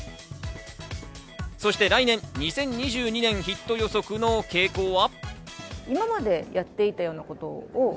そして来年２０２２年ヒット予測の傾向は。